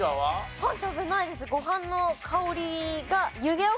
パン食べないです。